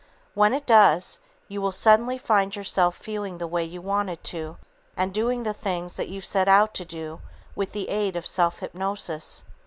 When it does, you will suddenly find yourself feeling the way you wanted to and doing the things that you set out to do with the aid of self hypnosis.